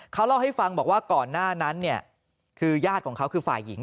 เขาเล่าให้ฟังบอกว่าก่อนหน้านั้นเนี่ยคือญาติของเขาคือฝ่ายหญิง